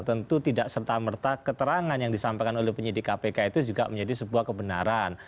tentu tidak serta merta keterangan yang disampaikan oleh penyidik kpk itu juga menjadi sebuah kebenaran